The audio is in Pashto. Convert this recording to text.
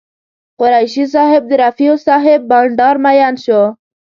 قریشي صاحب د رفیع صاحب بانډار مین شو.